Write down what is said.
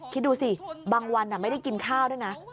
คิดดูสิบางวันไม่ได้กินข้าวด้วยนะ